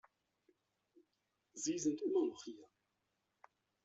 Sie sind immer noch hier!